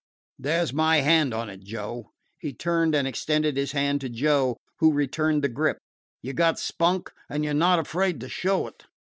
There 's my hand on it, Joe." He turned and extended his hand to Joe, who returned the grip. "You 've got spunk and you 're not afraid to show it."